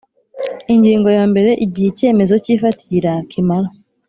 Ingingo ya mbere Igihe icyemezo cy ifatira kimara